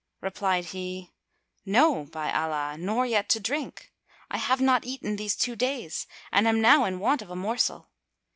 Replied he, "No, by Allah, nor yet to drink! I have not eaten these two days and am now in want of a morsel."